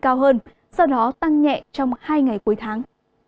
cách đặt cquisite off screen